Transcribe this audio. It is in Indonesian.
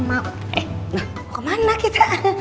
mau kemana kita